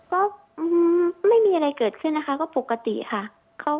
ก็ไม่มีอะไรเกิดขึ้นนะคะก็ปกติค่ะ